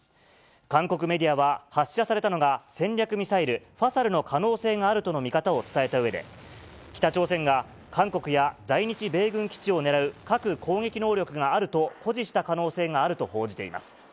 韓国メディアは、発射されたのが、戦略ミサイル、ファサルの可能性があるとの見方を伝えたうえで、北朝鮮が韓国や在日米軍基地を狙う核攻撃能力があると誇示した可能性があると報じています。